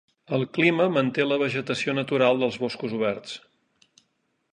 El clima manté la vegetació natural dels boscos oberts.